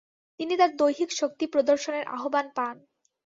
তিনি তার দৈহিক শক্তি প্রদর্শনের আহ্বান পান।